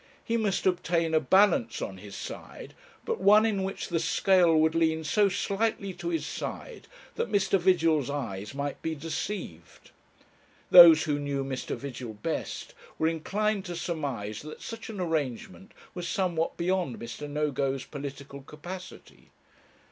He must obtain a balance on his side, but one in which the scale would lean so slightly to his side that Mr. Vigil's eyes might be deceived. Those who knew Mr. Vigil best were inclined to surmise that such an arrangement was somewhat beyond Mr. Nogo's political capacity.